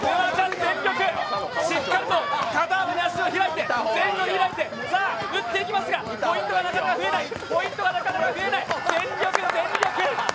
しっかりと肩幅に足を開いて打っていきますがポイントはなかなか増えない、ポイントはなかなか増えない、全力、全力！